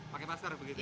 pakai masker begitu